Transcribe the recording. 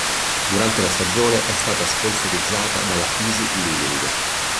Durante la stagione è stata sponsorizzata dalla Easy Leaving.